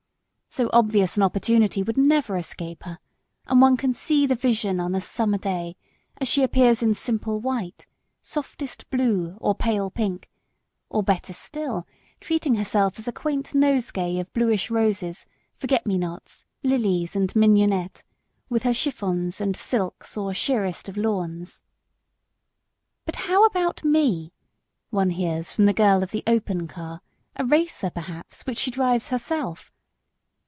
So obvious an opportunity would never escape her, and one can see the vision on a Summer day, as she appears in simple white, softest blue or pale pink, or better still, treating herself as a quaint nosegay of blush roses, for get me nots, lilies and mignonette, with her chiffons and silks or sheerest of lawns. "But how about me?" one hears from the girl of the open car a racer perhaps, which she drives herself.